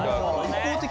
一方的。